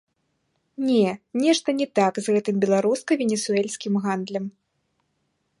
Не, нешта не так з гэтым беларуска-венесуэльскім гандлем.